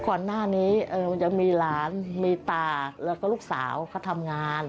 ก่อนหน้านี้มันจะมีหลานมีตาแล้วก็ลูกสาวเขาทำงาน